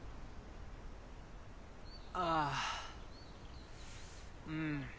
ああんん。